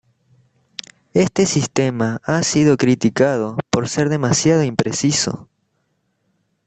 Este sistema ha sido criticado por ser demasiado impreciso.